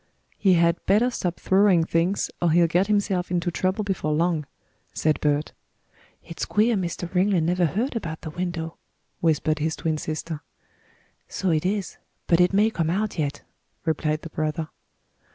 "He had better stop throwing things or he'll get himself into trouble before long," said Bert. "It's queer Mr. Ringley never heard about the window," whispered his twin sister. "So it is. But it may come out yet," replied the brother.